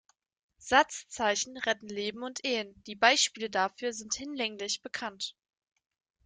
Satzzeichen retten Leben und Ehen, die Beispiele dafür sind hinlänglich bekannt.